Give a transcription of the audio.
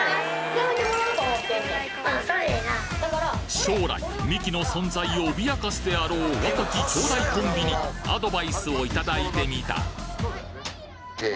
将来ミキの存在を脅かすであろう若き兄弟コンビにアドバイスを頂いてみたはず。